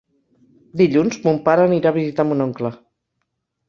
Dilluns mon pare anirà a visitar mon oncle.